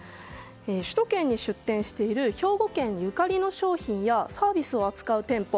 首都圏に出店している兵庫県にゆかりの商品やサービスを扱う店舗。